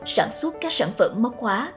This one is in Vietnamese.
sản xuất các sản phẩm móc khóa